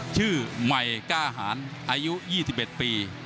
ชื่อมัยก้าหารอายุ๒๑ปี